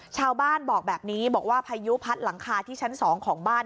ชาวบ้านบอกแบบนี้บอกว่าพายุพัดหลังคาที่ชั้น๒ของบ้าน